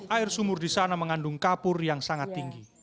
air sumur di sana mengandung kapur yang sangat tinggi